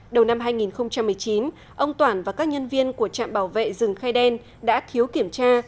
đầu năm hai nghìn một mươi chín ông toản và các nhân viên của trạm bảo vệ rừng khai đen đã thiếu kiểm tra